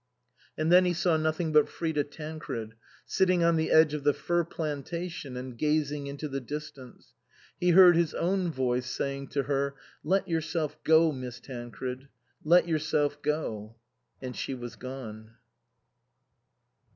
And then he saw nothing but Frida Tancred, sitting on the edge of the fir plantation and gazing into the distance ; he heard his own voice saying to her, " Let yourself go, Miss Tancred ; let yourself go !" And she was gone.